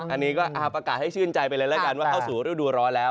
อันนี้ก็ประกาศให้ชื่นใจไปเลยแล้วกันว่าเข้าสู่ฤดูร้อนแล้ว